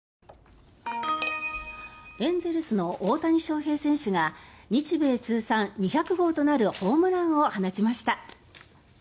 エンゼルスの大谷翔平選手が日米通算２００号となるホームランを放ちました。